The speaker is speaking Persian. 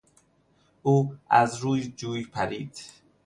او از روی جوی پرید.